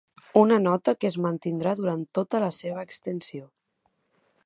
Una nota que es mantindrà durant tota la seva extensió.